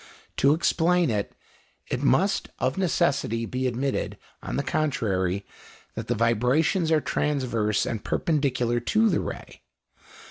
To explain it, it must of necessity be admitted, on the contrary, that the vibrations are transverse and perpendicular to the ray.